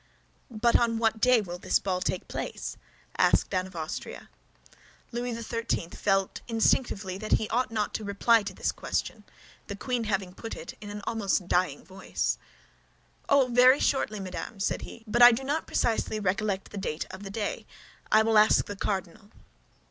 "But on what day will this ball take place?" asked Anne of Austria. Louis XIII. felt instinctively that he ought not to reply to this question, the queen having put it in an almost dying voice. "Oh, very shortly, madame," said he; "but I do not precisely recollect the date of the day. I will ask the cardinal."